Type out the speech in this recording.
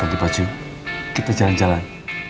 ganti baju kita jalan jalan